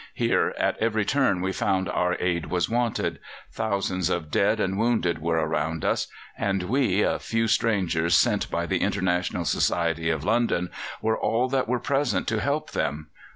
Here at every turn we found our aid was wanted. Thousands of dead and wounded were around us, and we, a few strangers sent by the International Society of London, were all that were present to help them.